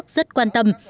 rất quan tâm